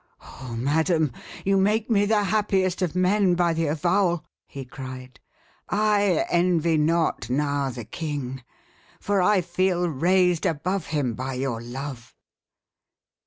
"Oh, madam! you make me the happiest of men by the avowal," he cried. "I envy not now the king, for I feel raised above him by your love."